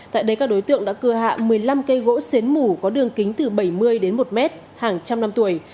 tại đây các đối tượng đã cưa hạ một mươi năm cây gỗ xến mủ có đường kính từ bảy mươi đến một mét hàng trăm năm tuổi